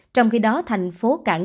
trong khi đó thành phố cảng